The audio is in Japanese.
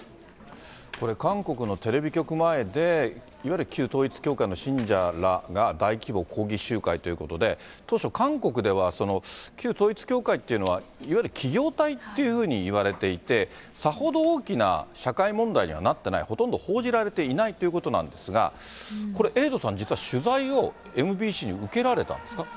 これ、韓国のテレビ局前で、いわゆる旧統一教会の信者らが、大規模抗議集会ということで、当初、韓国では旧統一教会っていうのは、いわゆる企業体っていうふうにいわれていて、さほど大きな社会問題にはなってない、ほとんど報じられていないということなんですが、これ、エイトさん、実は取材をＭＢＣに受けられたんですか？